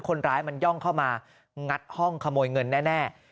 คนร้ายมันย่องเข้ามางัดห้องขโมยเงินแน่